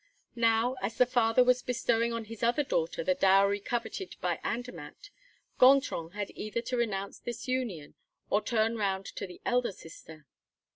Now, as the father was bestowing on his other daughter the dowry coveted by Andermatt, Gontran had either to renounce this union or turn round to the elder sister.